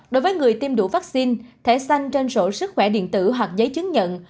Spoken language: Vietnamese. đối với người tiêm đủ vaccine thẻ xanh trên sổ sức khỏe điện tử hoặc giấy chứng nhận